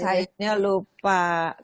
sayurnya penting banget